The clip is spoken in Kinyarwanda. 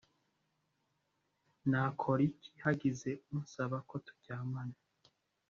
Nakora iki hagize unsaba ko turyamana